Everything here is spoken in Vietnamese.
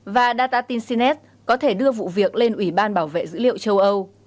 và data tinsinet có thể đưa vụ việc lên ủy ban bảo vệ dữ liệu châu âu